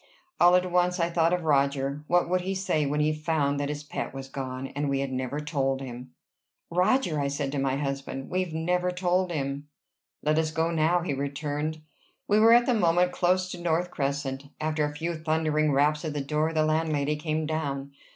All at once I thought of Roger. What would he say when he found that his pet was gone, and we had never told him? "Roger!" I said to my husband. "We've never told him!" "Let us go now," he returned. We were at the moment close to North Crescent. After a few thundering raps at the door, the landlady came down.